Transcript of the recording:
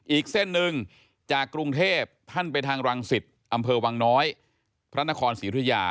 อีกเส้นหนึ่งจากกรุงเทพท่านไปทางรังสิตอำเภอวังน้อยพระนครศรีธุยา